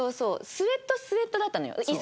スウェットスウェットだったのよ。